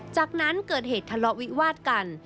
จากนั้นเกิดเหตุทะเลาะวิวาดกัน